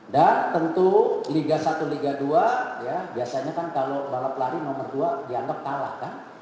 dan tentu liga satu dan liga dua biasanya kan kalau balap lari nomor dua dianggap kalah kan